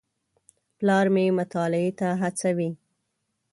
پلار مې مطالعې ته هڅوي.